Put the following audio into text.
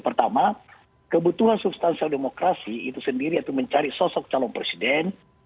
pertama kebutuhan substansial demokrasi itu sendiri atau mencari sosok calon presiden